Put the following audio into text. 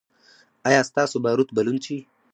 ایا ستاسو باروت به لوند شي؟